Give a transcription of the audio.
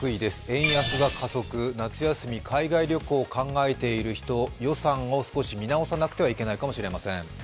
円安が加速、夏休み海外旅行を考えている人、予算を少し見直さなくてはいけないかもしれません。